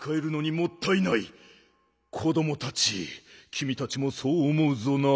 子どもたちきみたちもそうおもうぞな？